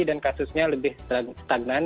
dan kasusnya lebih stagnan